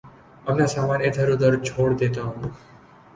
اپنا سامان ادھر ادھر چھوڑ دیتا ہوں